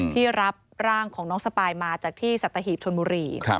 ที่รับร่างของน้องสปายมาจากที่สัตหีบชนบุรี